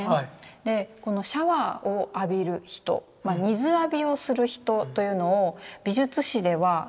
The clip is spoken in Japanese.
でこのシャワーを浴びる人水浴びをする人というのを美術史では水浴図。